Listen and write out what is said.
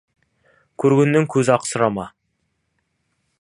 Көргеннен көзақы сұрама.